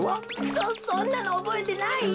そそんなのおぼえてないよ！